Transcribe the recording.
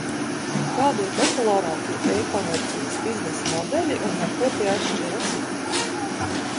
Kādi ir populārākie e-komercijas biznesa modeļi un ar ko tie atšķiras?